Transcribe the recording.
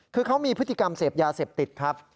คือเขามีพฤติกรรมเสพยาเสพติดครับ